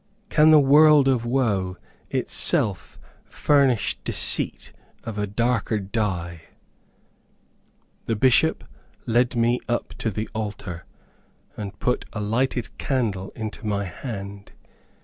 Can the world of woe itself furnish deceit of a darker dye? The Bishop led me up to the altar, and put a lighted candle into my hand.